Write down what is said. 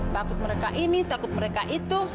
takut mereka ini takut mereka itu